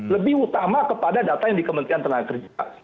lebih utama kepada data yang di kementerian tenaga kerja